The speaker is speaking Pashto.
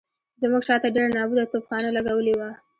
زموږ شاته ډېره نابوده توپخانه لګولې وه.